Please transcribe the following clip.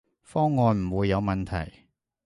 方案唔會有問題